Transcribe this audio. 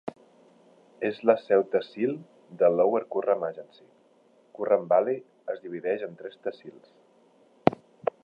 És la seu tehsil de Lower Kurram Agency. Kurram Valley es divideix en tres tehsils.